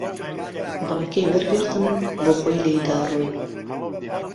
دڵهکهی وهرگرتم، بۆ خۆی لێیدا رۆی